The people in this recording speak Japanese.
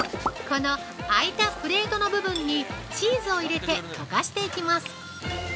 ◆この空いたプレートの部分にチーズを入れて溶かしていきます。